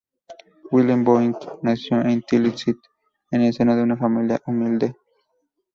Wilhelm Voigt nació en Tilsit, en el seno de una familia humilde.